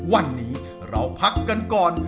วันนี้เราพักกันก่อน